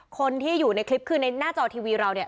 คนที่อยู่ในคลิปคือในหน้าจอทีวีเราเนี่ย